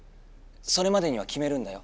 それまでにはきめるんだよ。